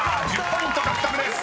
１０ポイント獲得です］